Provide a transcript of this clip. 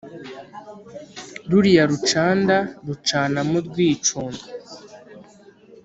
Ruriya rucanda Rucanamo rwicunda